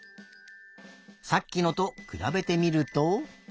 さっきのとくらべてみると。